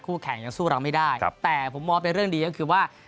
แข่งยังสู้เราไม่ได้แต่ผมมองเป็นเรื่องดีก็คือว่า